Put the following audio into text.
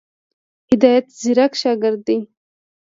هدایت ځيرک شاګرد دی.